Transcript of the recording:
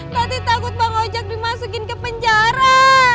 tati takut bang ojak dimasukin ke penjara